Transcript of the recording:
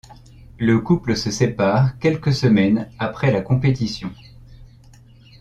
Le couple se sépare quelques semaines après la compétition.